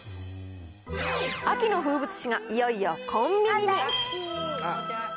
秋の風物詩がいよいよコンビニに。